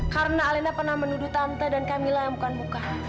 karena alena pernah menuduh tante dan camilla yang bukan bukan